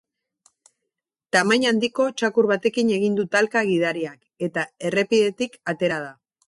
Tamaina handiko txakur batekin egin du talka gidariak, eta errepidetik atera da.